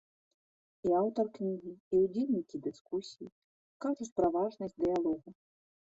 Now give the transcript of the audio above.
І аўтар кнігі, і ўдзельнікі дыскусій кажуць пра важнасць дыялогу.